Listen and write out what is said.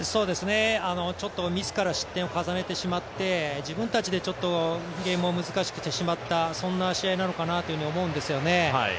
ミスから失点を重ねてしまって自分たちでゲームを難しくしてしまった試合なのかなと思うんですよね。